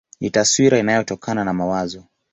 Ni taswira inayotokana na mawazo.